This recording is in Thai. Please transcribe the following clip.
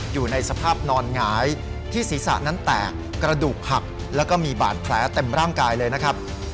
อยู่ในสภาพนอนหงายที่ศีรษะนั้นแตกกระดูกหักแล้วก็มีบาดแผลเต็มร่างกายเลยนะครับ